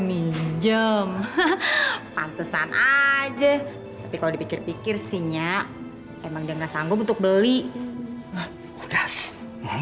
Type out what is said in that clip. minjem pantesan aja tapi kalau dipikir pikir sinya emang dia nggak sanggup untuk beli bekas eh